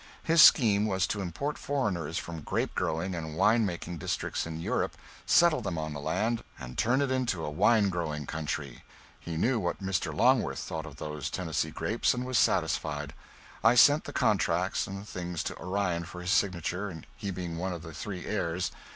His scheme was to import foreigners from grape growing and wine making districts in Europe, settle them on the land, and turn it into a wine growing country. He knew what Mr. Longworth thought of those Tennessee grapes, and was satisfied. I sent the contracts and things to Orion for his signature, he being one of the three heirs.